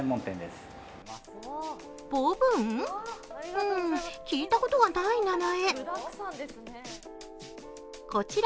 うん、聞いたことがない名前。